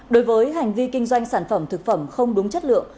đối với hành vi kinh doanh sản phẩm thực phẩm không đúng chất lượng